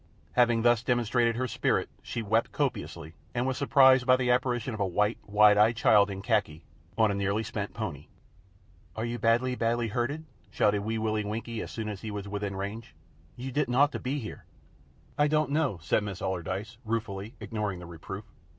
Having thus demonstrated her spirit, she wept copiously, and was surprised by the apparition of a white, wide eyed child in khaki, on a nearly spent pony. "Are you badly, badly hurted?" shouted Wee Willie Winkie, as soon as he was within range. "You didn't ought to be here." "I don't know," said Miss Allardyce, ruefully, ignoring the reproof.